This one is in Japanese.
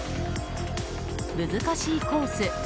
難しいコース